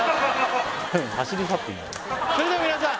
それでは皆さん！